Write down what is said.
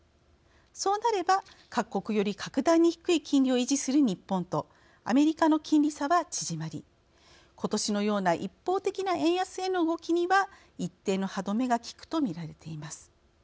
そうなれば各国より格段に低い金利を維持する日本とアメリカの金利差は縮まり今年のような一方的な円安への動きには一定の歯止めが利くと見られています。